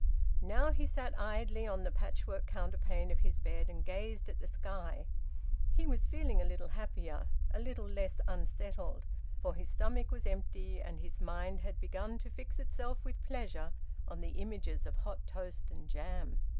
Now he sat idly on the patchwork counterpane of his bed and gazed at the sky. He was feeling a little happier, a little less unsettled, for his stomach was empty and his mind had begun to fix itself with pleasure on the images of hot toast and jam.